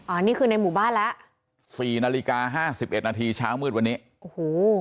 อันนี้คือในหมู่บ้านแล้วสี่นาฬิกาห้าสิบเอ็ดนาทีเช้ามืดวันนี้โอ้โห